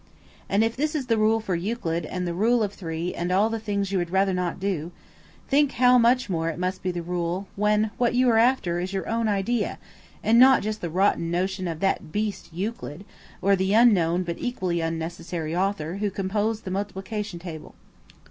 And if this is the rule for Euclid and rule of three and all the things you would rather not do, think how much more it must be the rule when what you are after is your own idea and not just the rotten notion of that beast Euclid, or the unknown but equally unnecessary author who composed the multiplication table.